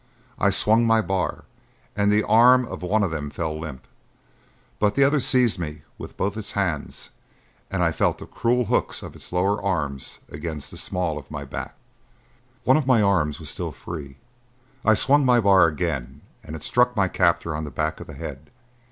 I swung my bar, and the arm of one of them fell limp; but the other seized me with both its hands, and I felt the cruel hooks of its lower arms against the small of my back. One of my arms was still free; I swung my bar again, and it struck my captor on the back of the head.